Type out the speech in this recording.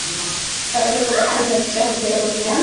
که علم په پښتو وي، نو د جهل تیاره به پیکه سي.